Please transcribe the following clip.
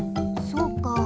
そうか。